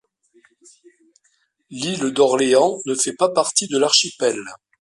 L'île d'Orléans ne fait pas partie de l'archipel.